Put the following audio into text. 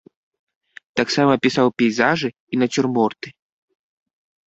Таксама пісаў пейзажы і нацюрморты.